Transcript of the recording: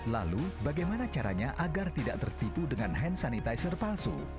lalu bagaimana caranya agar tidak tertipu dengan hand sanitizer palsu